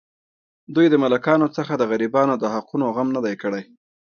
دوی د ملاکانو څخه د غریبانو د حقوقو غم نه دی کړی.